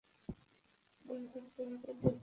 যাইহোক, তোমাকে দেখে ভাল লাগলো।